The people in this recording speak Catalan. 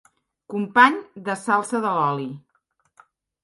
Company de salsa de l'oli.